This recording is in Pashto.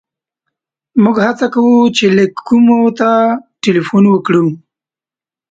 موږ هڅه کوو چې لېک کومو ته ټېلیفون وکړو.